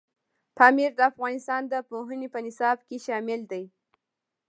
پامیر د افغانستان د پوهنې په نصاب کې شامل دی.